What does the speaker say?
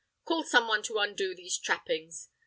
Call some one to undo these trappings.